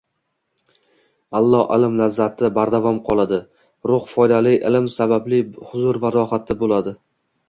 Illo ilm lazzati bardavom qoladi, ruh foydali ilm sababli huzur va rohatda boʻladi